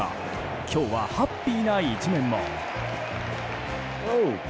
今日は、ハッピーな一面も。